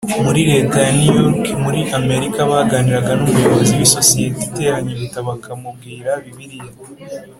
Muri leta ya new york muri amerika baganiraga n umuyobozi w isosiyete iteranya ibitabo bakamubwira bibiliya